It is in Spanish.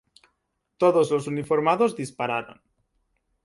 Todos los uniformados dispararon.